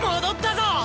戻ったぞ！